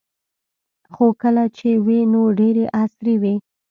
خو کله چې وې نو ډیرې عصري وې